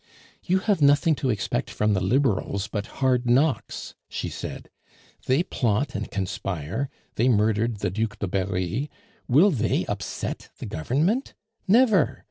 "You have nothing to expect from the Liberals but hard knocks," she said. "They plot and conspire; they murdered the Duc de Berri. Will they upset the Government? Never!